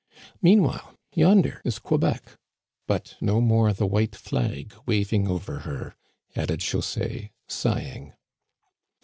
Meanwhile, yonder is Quebec! But no more the white flag waving over her," added José, sighing.